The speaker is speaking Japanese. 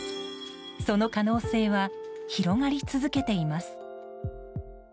その可能性は広がり続けています。